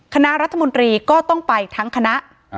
คณะรัฐมนตรีก็ต้องไปทั้งคณะ